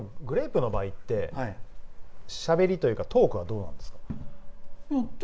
グレープの場合ってしゃべりというかトークはどうなんですか？